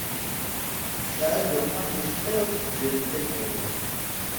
Saɛid U Muḥ yessiwel i Tiziri Tagawawt.